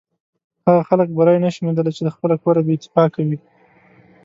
هغه خلک بری نشي موندلی چې له خپله کوره بې اتفاقه وي.